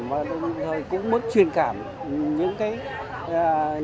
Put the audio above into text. và đồng thời cũng muốn truyền cảm những cái